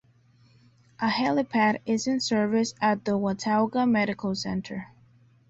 A helipad is in service at the Watauga Medical Center.